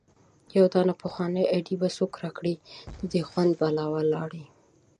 يو دانه پخوانۍ ايډي به څوک را کړي د دې خوند بالا ولاړی